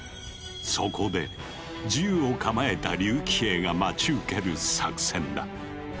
そこで銃を構えた竜騎兵が待ち受ける作戦だ。